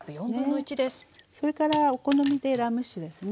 それからお好みでラム酒ですね。